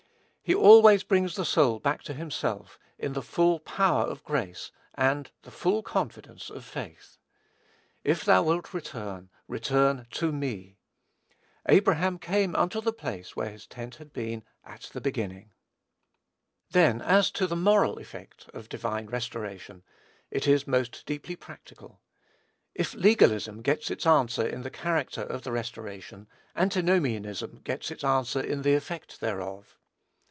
He always brings the soul back to himself, in the full power of grace and the full confidence of faith. "If thou wilt return, return to me." "Abraham came unto the place where his tent had been at the beginning." Then, as to the moral effect of divine restoration, it is most deeply practical. If legalism gets its answer in the character of the restoration, antinomianism gets its answer in the effect thereof.